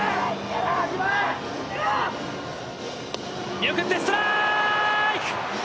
見送ってストライク！